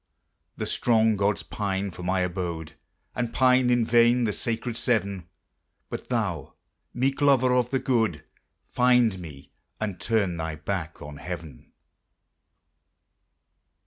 The strong gods pine for my abode, And pine in vain the sacred Seven; But thou, meek lover of the good! Find me, and turn thy back on heaven.